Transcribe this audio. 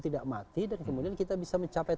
tidak mati dan kemudian kita bisa mencapai